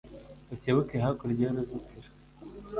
Ucyebuke hakurya y'uruzitiro